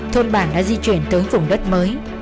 thôn bản đã di chuyển tới vùng đất mới